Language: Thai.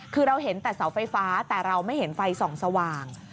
คือเราเห็นแต่เสาไฟฟ้าแต่เราไม่เห็นไฟส่องสว่าง